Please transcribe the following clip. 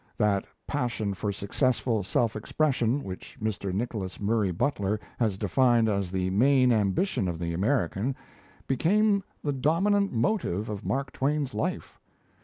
That passion for successful self expression, which Mr. Nicholas Murray Butler has defined as the main ambition of the American, became the dominant motive of Mark Twain's life.